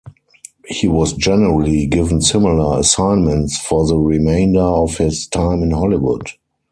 He was generally given similar assignments for the remainder of his time in Hollywood.